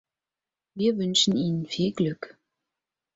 Wir wünschen Ihnen viel Glück.